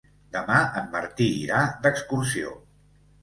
Demà en Martí irà d'excursió.